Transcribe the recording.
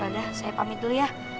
padahal saya pamit dulu ya